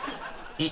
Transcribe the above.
えっ？